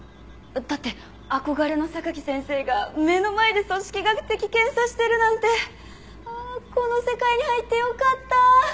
だって憧れの榊先生が目の前で組織学的検査してるなんて。ああこの世界に入ってよかった！